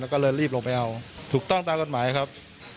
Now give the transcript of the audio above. แล้วก็เลยรีบลงไปเอาถูกต้องตามกฎหมายครับ